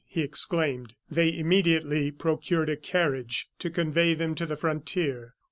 he exclaimed. They immediately procured a carriage to convey them to the frontier.